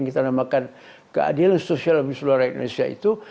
kita namakan keadilan sosial di seluruh indonesia itu